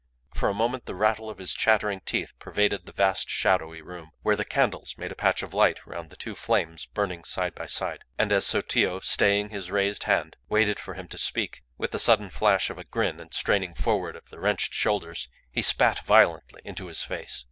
For a moment the rattle of his chattering teeth pervaded the vast, shadowy room, where the candles made a patch of light round the two flames burning side by side. And as Sotillo, staying his raised hand, waited for him to speak, with the sudden flash of a grin and a straining forward of the wrenched shoulders, he spat violently into his face.